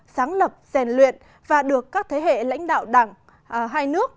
sáng lập rèn luyện và được các thế hệ lãnh đạo đảng hai nước